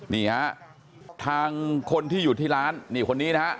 นี่ฮะทางคนที่อยู่ที่ร้านนี่คนนี้นะฮะ